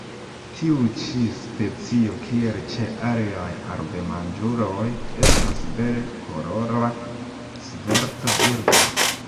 Tiu ĉi specio, kiel ĉe aliaj abelmanĝuloj, estas bele kolora, svelta birdo.